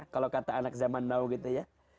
kalau kata anak zaman now gitu ya